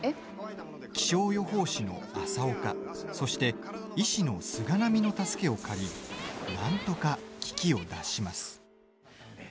気象予報士の朝岡そして医師の菅波の助けを借りなんとか危機を脱します。